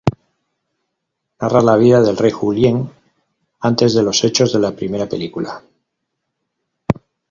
Narra la vida del Rey Julien, antes de los hechos de la primera película.